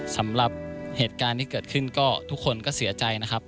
สำหรับเหตุการณ์ที่เกิดขึ้นก็ทุกคนก็เสียใจนะครับ